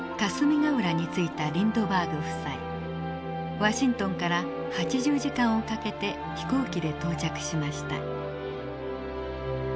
ワシントンから８０時間をかけて飛行機で到着しました。